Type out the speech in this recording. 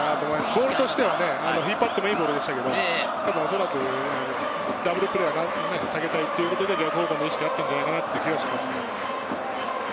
ボールとしては引っ張ってもいいボールでしたけど、おそらくダブルプレーは避けたいということで逆方向に意識があったんじゃないかなっていう気がします。